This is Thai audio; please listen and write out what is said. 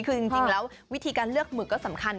คือจริงแล้ววิธีการเลือกหมึกก็สำคัญ